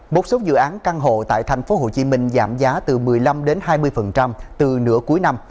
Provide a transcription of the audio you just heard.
một số dự án căn hộ tại tp hcm giảm giá từ một mươi năm hai mươi từ nửa cuối năm